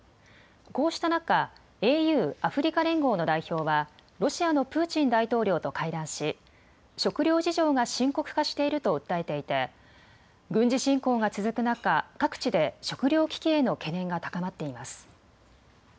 こうした中、ＡＵ・アフリカ連合の代表はロシアのプーチン大統領と会談し食料事情が深刻化していると訴えていて軍事侵攻が続く中、各地で食糧危機への懸念が高まっています。